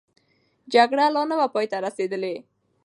جګړه لا نه وه پای ته رسېدلې.